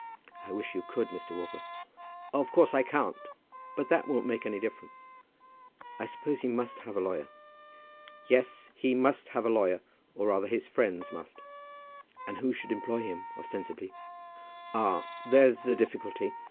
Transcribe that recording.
"I wish you could, Mr. Walker." "Of course I can't; but that won't make any difference." "I suppose he must have a lawyer?" "Yes, he must have a lawyer; or rather his friends must." "And who should employ him, ostensibly?" "Ah; there's the difficulty.